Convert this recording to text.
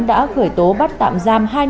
đã khởi tố bắt tạm giam hai mươi hai